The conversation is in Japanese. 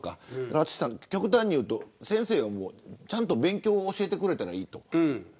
淳さん、極端に言うと先生が勉強を教えてくれたらいいと。